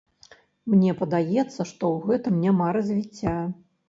Мне падаецца, што ў гэтым няма развіцця.